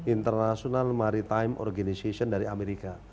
international maritime organization dari amerika